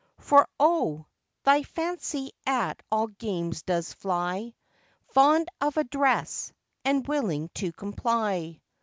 For, oh! thy fancy at all games does fly, Fond of address, and willing to comply.